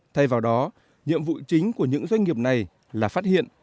thay vào đó nhiệm vụ chính của những doanh nghiệp này là phát hiện